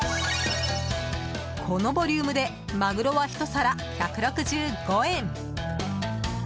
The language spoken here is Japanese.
このボリュームでマグロは１皿１６５円。